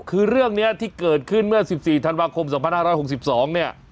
คือเรื่องนี้ที่เกิดขึ้นเมื่อ๑๔ธันวาคม๒๕๖๒เนี่ย